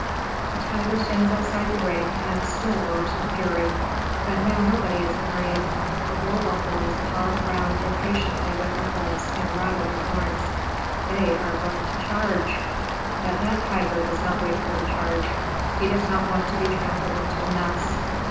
The tiger stands outside the ring, and still roars in fury. But now nobody is afraid. The bull buffaloes paw the ground impatiently with their hoofs, and rattle their horns. They are going to charge! But that tiger does not wait for the charge. He does not want to be trampled into a mess.